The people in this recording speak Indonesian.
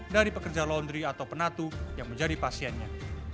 dari pekerja laundry atau penatu yang menjadi pasiennya